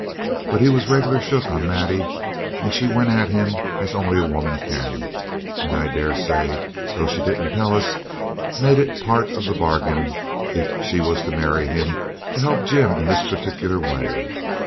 But he was regular shook on Maddie, and she went at him as only a woman can, and I daresay, though she didn't tell us, made it part of the bargain, if she was to marry him, to help Jim in this particular way.